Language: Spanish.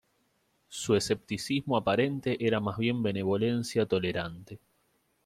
Su escepticismo aparente era más bien benevolencia tolerante.